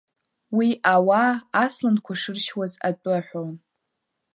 Уи ауаа асланқәа шыршьуаз атәы аҳәон.